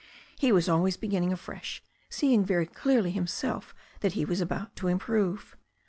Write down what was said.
He was always beginning afresh, seeing very clearly himself that he was about to improve.